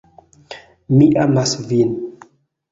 "Mi amas vin."